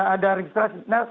ada registrasi nah